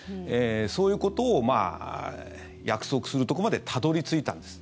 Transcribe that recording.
そういうことを約束するところまでたどり着いたんです。